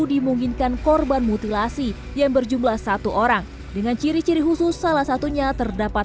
dimungkinkan korban mutilasi yang berjumlah satu orang dengan ciri ciri khusus salah satunya terdapat